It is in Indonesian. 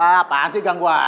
apaan sih ganggu aja